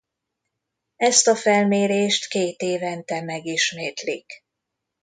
Ezt a felmérést kétévente megismétlik.